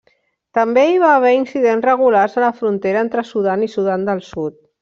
També hi va haver incidents regulars a la frontera entre Sudan i Sudan del Sud.